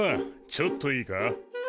ちょっといいか。